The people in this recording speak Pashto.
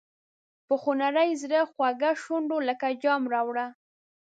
په خونړي زړه خوږه شونډه لکه جام راوړه.